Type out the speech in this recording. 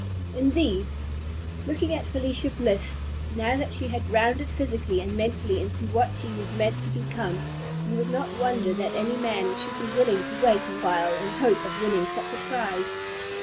Indeed, looking at Felicia Bliss, now that she had rounded physically and mentally into what she was meant to become, you would not wonder that any man should be willing to wait a while in hope of winning such a prize.